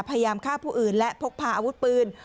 พยายามฆ่าผู้อื่นและพกพาอาวุธปืน